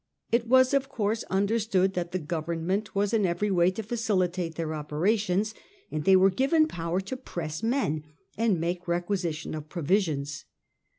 It was of course understood that the Government was in every way to facilitate their operations, and they were given power to press men and make requisition of provisions.